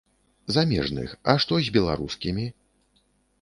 Замежных, а што з беларускімі?